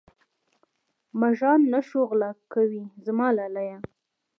مږان نه شو غلا کوې زما لالیه.